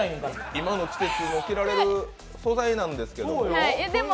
今の季節も着られる素材なんですけども。